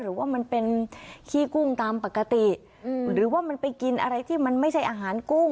หรือว่ามันเป็นขี้กุ้งตามปกติหรือว่ามันไปกินอะไรที่มันไม่ใช่อาหารกุ้ง